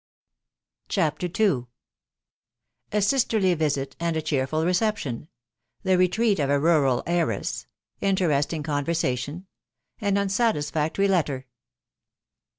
CHAPTER II. A SISTERLY VISEY, AND A CHEERFUL RECEPTION. — THE RETREAT Of A RURAL HXIRESS. — INTERESTING CONVERSATION. AN UNSATISFAC TORY LETTER.